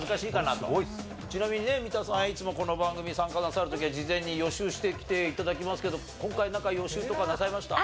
ちなみにね三田さんいつもこの番組参加なさる時は事前に予習してきて頂きますけど今回なんか予習とかなさいました？